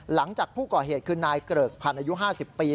หลังจากผู้ก่อเหตุคือนายเกริกพันธ์อายุ๕๐ปี